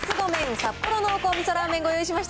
札幌濃厚味噌ラーメン、ご用意しました。